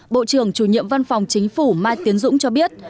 bộ trưởng chủ nhiệm văn phòng chính phủ mai tiến dũng cho biết